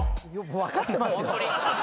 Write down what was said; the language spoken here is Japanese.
分かってますよ！